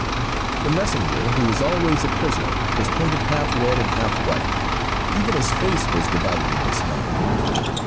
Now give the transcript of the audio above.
The "messenger," who was always a prisoner, was painted half red and half white. Even his face was divided in this manner.